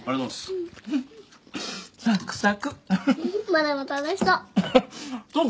マルモ楽しそう。